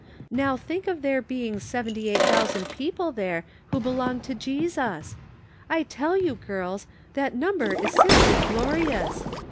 Now think of there being seventy eight thousand people there who belong to Jesus ! I tell you, girls, that number is simply glorious